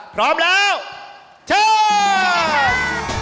พร้อมแล้วช่อง